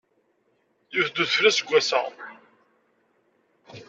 Iwet-d udfel aseggas-a.